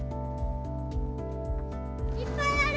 いっぱいある。